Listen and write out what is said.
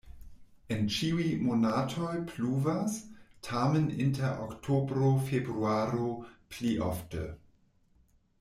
En ĉiuj monatoj pluvas, tamen inter oktobro-februaro pli ofte.